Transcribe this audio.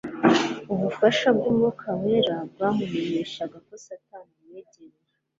Ubufasha bw'Umwuka wera bwamumenyeshaga ko Satani amwegereye